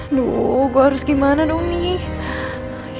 loh gue harus gimana dong nih